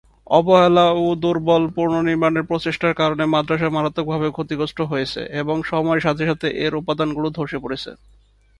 অবহেলা ও দুর্বল পুনর্নির্মাণের প্রচেষ্টার কারণে মাদ্রাসা মারাত্মকভাবে ক্ষতিগ্রস্ত হয়েছে এবং সময়ের সাথে সাথে এর উপাদানগুলি ধসে পড়েছে।